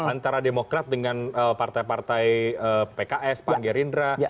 antara demokrat dengan partai partai pks pan gerindra